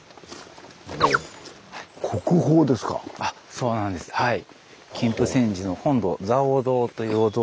そうなんですはい。